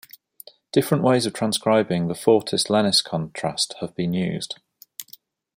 Different ways of transcribing the fortis-lenis contrast have been used.